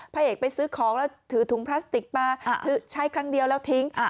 พระเอกไปซื้อของแล้วถือถุงพลาสติกมาใช้ครั้งเดียวแล้วทิ้ง